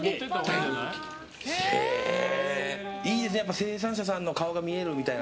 いいですね、生産者さんの顔が見えるみたいな。